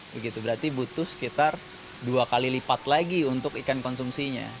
begitu berarti butuh sekitar dua kali lipat lagi untuk ikan konsumsinya